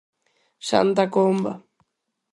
Santa Comba.